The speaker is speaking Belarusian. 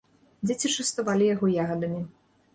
Дзеці частавалі яго ягадамі.